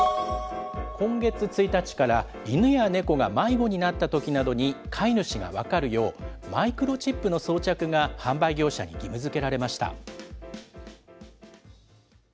今月１日から、犬や猫が迷子になったときなどに飼い主が分かるよう、マイクロチップの装着が販売業者に義務づけられました。